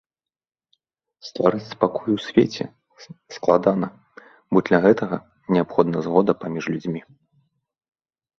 Стварыць спакой у свеце складана, бо для гэтага неабходна згода паміж людзьмі.